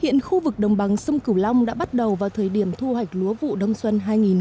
hiện khu vực đồng bằng sông cửu long đã bắt đầu vào thời điểm thu hoạch lúa vụ đông xuân hai nghìn một mươi chín hai nghìn hai mươi